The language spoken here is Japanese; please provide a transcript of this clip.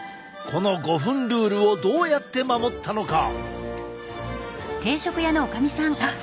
この５分ルールをどうやって守ったのか？